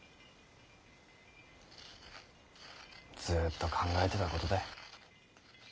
ずっと考えてたことだ。